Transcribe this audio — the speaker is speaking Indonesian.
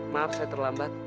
maaf saya terlambat